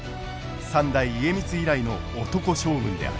三代家光以来の男将軍である。